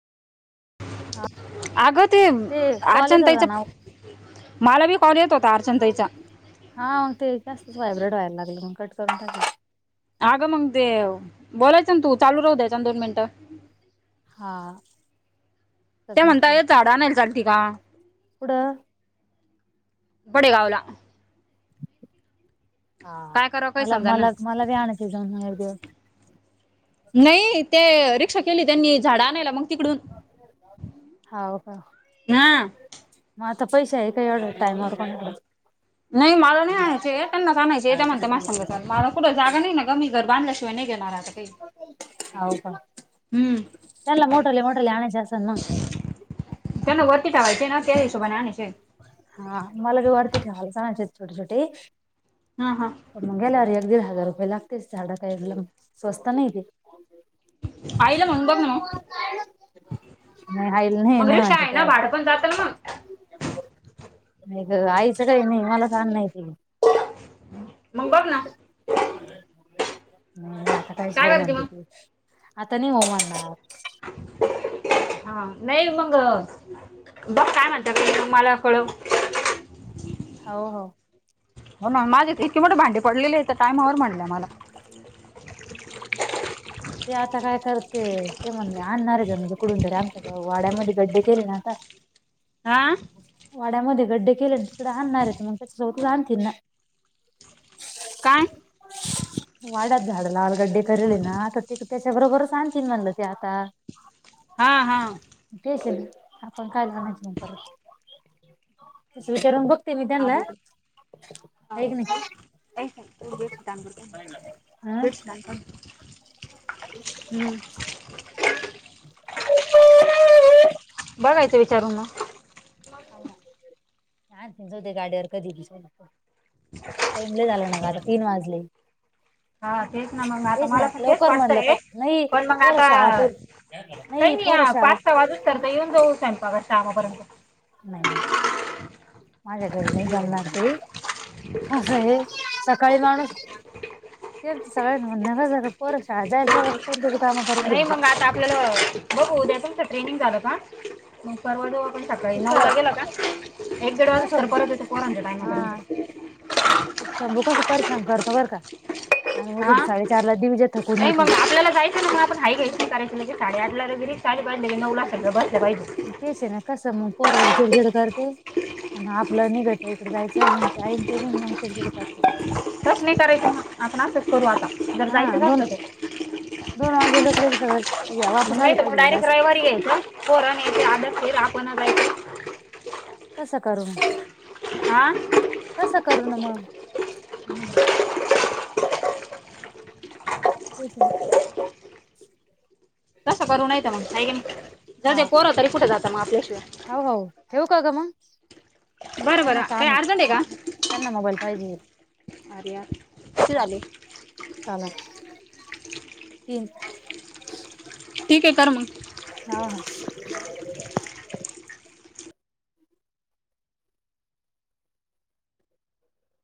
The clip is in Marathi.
हा आगं ते कॉल येत अर्चना होता ताईचा ना फो मला बी कॉल येत होता, अर्चना ताईचा. हा ते जास्तच व्हायब्रेट व्हायला लागल, मग कट करून टाकल. आगं मग ते बोलायचं ना तू. चालू राहू द्यायच दोन मिनिटं हा ते सबमिट कर म्हणताय झाडा नाही चालती का? पुढं पडेगावला हा काय करावं काही मला समजा ना मला मला बी आणायच तुमच्या कडन एक दिवस नाही ते, रिक्षा केली त्यांनी झाडं आणायला मग तिकडून हाव का? हा म आता पैसे आहे का येवड? टाइमवर कोन द्यायचं. नाही मला नाही आणायचे, हे त्यांनाच आणायचे ये, त्या म्हणतात माह्या संग चल. मला कुठ जागा नाही ना. मी घर बांधल्याशिवाय नाय घेणार आता काय. हाव का? हम्म त्यांना मोटले मोटले आणाचे आसेल ना? त्याला वरती ठेवायचे ना त्या हिशोबाने आणायचं आहेत. हां, मला तर वाटते ते हालचनाचे छोटे छोटे आ हां. मग गेलावर एक दीड हजार रुपये लागतेस एवढं काही एकदम स्वस्त नाही ते आईला म्हणून बघ ना मग [unintelligible] आयला न्यायला मग नाही रिक्षा आहे वाटत हे ना असं. भाडं पण जातं ना मग नाही गं आईच काही नाही. मला काम नाहिती मग बघ ना व्हय? आता काय झव करते म्हणत्याती. मग आता नाही हो म्हणणार. हा नाही मंग बघ काय म्हणतात, आणि मला कळव. हो, हो. हो, ना माझे इतकी मोठं भांडे पडलेले आहेत. काम आवर म्हणल्या मला. ते आता काय करते. ते म्हणणे आणणार म्हणजे कुठून तरी आमच्याकडं वाड्यामध्ये गड्डे केले ना आता. आ वाड्यामध्ये गड्डे केले. तिकडं आणणारेत मग त्याच्यासोबत आणतील ना. काय वाडयात झाडं करले ना त त्याच्या बरोबरच आणतील म्हणलं ते आता. हां हां. केसरी, आपण [unintelligible] नंतर विचारून बघ. ते मी त्यांनल हां, ताई उडदाचे तांदूळ हा द्द्याना. [unintelligible] हम्म. बघायचं विचारून मग. हाव ना, ना [unintelligible] टाइम लय झालं ना गं! आता तीन वाजले. हा, तेच ना मग आता ना मला तर तेच लवकर म्हणलं का वाटतय, नाही पण मग पोरं आता शाळा काही पोरं नाही शाळा पाच, सहा वाजेपर्यंत तरत येऊन जाऊ [unintelligible] नाय, नाय. माझ्या घरी नाही जमणार ते कसं हे सकाळी माणूस यांचा सगळ्यांच म्हणणं काय झालं, पोर शाळेत जाईल तोवर दिऊ का मग? नाही मग आता आपल्याला बघू उद्याच्याच ट्रेनिंग झालं का मग परवा जाऊ आपण सकाळी. ते क नऊला गेलं का, एक दीड वाजुस कसं तर होतं परत येतो पोराच्या हा टायमापर्यंत. शंभू कसं परिशान करतो बरं का! आणि अजून हां साडेचारला थकून नाही येतील. मग आपल्याला जायचं मग आपण हा घयच करायचलं की साडे आठ [unintelligible] नऊला सगळं बसलं पाहिजे. तेच आहे ना, कसं मग पोरं भी चिडचिड करते. आणि आपलं निघत इकडें जायचं आणि आमच्या आईन ते आमच्या तिकडे करत. चटणी करायचो आपण असंच करू आता जर हा जायचंच दोन झालं तर. दोन वाजे लकले वापस आला पाहिजेल ग असं. पोरं नाही ते आदफशीर आपणच जायचं. तसं करू मग. आ तस करू ना मंग. हम् ्क्स तेच ना. तसं करू नाही तर मंग, हाय की नाही, जाऊदे हा पोरं तरी कुठे जातं मग आपल्याशिवाय? हाव हो ठेवू काग मंग? बरं बरं, काय अर्जंट आहे का? त्यांना मोबाईल पाहिजेल. आरे यार, किती झाले? [inaudible] तीन ठीक ये, कर मग. हा हा